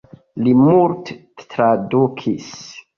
Li multe tradukis.